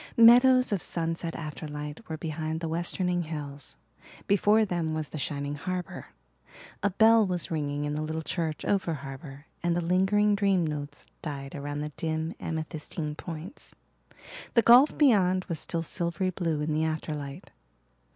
Meadows of sunset afterlight were behind the westerning hills. Before them was the shining harbour. A bell was ringing in the little church over harbour and the lingering dream notes died around the dim, amethystine points. The gulf beyond was still silvery blue in the afterlight.